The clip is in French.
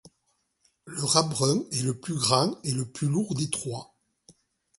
Le rat brun est le plus grand et le plus lourd des trois.